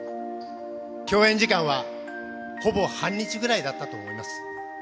共演時間はほぼ半日ぐらいだったと思います。